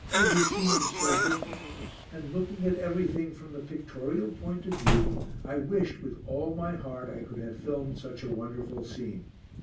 Every scene is so different, and looking at everything from the pictorial point of view I wished with all my heart I could have filmed such a wonderful scene.